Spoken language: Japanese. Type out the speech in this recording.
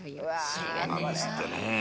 そうなんですってね。